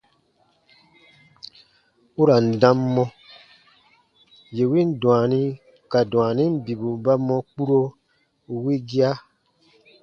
U ra n dam mɔ : yè win dwaani ka dwaanin bibu ba mɔ kpuro wigia.